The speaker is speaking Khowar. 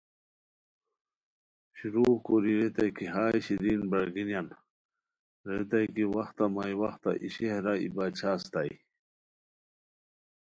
شروغ کوری ریتائے کی ہائے شیرین برارگینیان ریتائے کی وختہ مائی وختہ ای شہرہ ای باچھا استائے